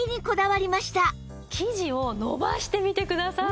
生地を伸ばしてみてください。